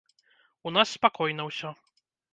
У нас спакойна ўсё.